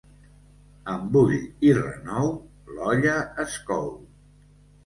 Amb bull i renou, l'olla es cou.